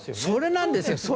それなんですよ。